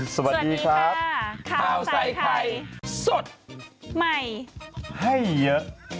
สวัสดีครับข้าวใส่ไข่สดใหม่ให้เยอะ